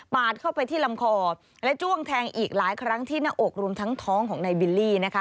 เข้าไปที่ลำคอและจ้วงแทงอีกหลายครั้งที่หน้าอกรวมทั้งท้องของนายบิลลี่นะคะ